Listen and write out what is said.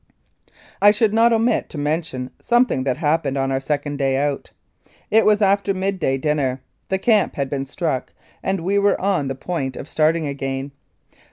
I should not omit to mention something that hap pened on our second day out. It was after midday dinner, the camp had been struck, and we were on the point of starting again.